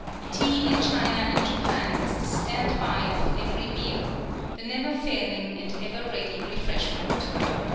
Tea in China and Japan is the stand by of every meal the never failing and ever ready refreshment.